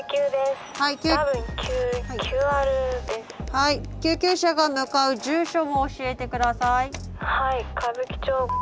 ☎はい救急車が向かう住所も教えて下さい。